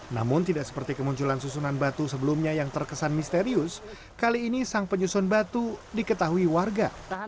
namun tidak seperti kemunculan susunan batu sebelumnya yang terkesan misterius kali ini sang penyusun batu diketahui warga